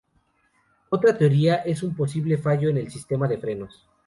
Otra teoría es un posible fallo en el sistema de frenos.